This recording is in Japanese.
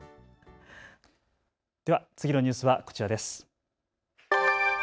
では次のニュースはこちらです。